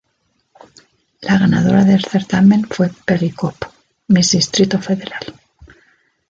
La ganadora del certamen fue Peggy Kopp, Miss Distrito Federal.